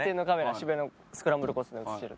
渋谷のスクランブル交差点映してる